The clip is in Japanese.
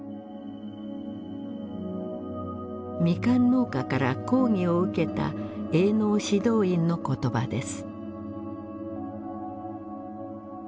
ミカン農家から抗議を受けた営農指導員の言葉です。